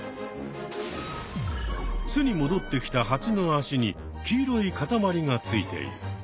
巣にもどってきたハチのあしに黄色いかたまりがついている。